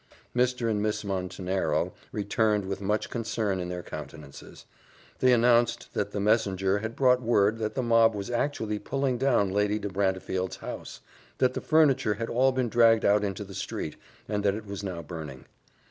Mr. and Miss Montenero returned with much concern in their countenances: they announced that the messenger had brought word that the mob were actually pulling down Lady de Brantefield's house that the furniture had all been dragged out into the street, and that it was now burning.